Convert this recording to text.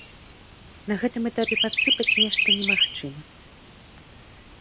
На гэтым этапе падсыпаць нешта немагчыма.